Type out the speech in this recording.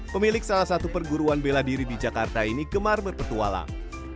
pemilik salah satu perguruan bela diri di jakarta ini gemar berpetualang